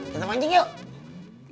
kita mancing yuk